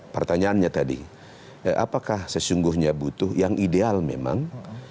pertanyaannya tadi apakah sesungguhnya butuh yang ideal memang